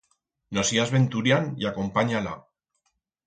No sías veturián y acompanya-la.